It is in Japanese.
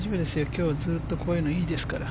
今日ずっとこういうのいいですから。